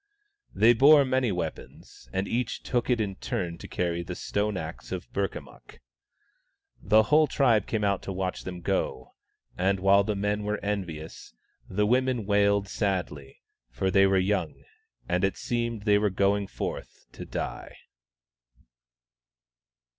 They bore many weapons, and each took it in turn to carry the stone axe of Burkamukk. The whole tribe came out to watch them go, and while the men were envious, the women wailed sadly, for they were young, and it seemed that they were going forth to die.